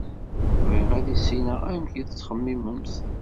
Bɣiɣ ad issineɣ amek i ttxemmiment.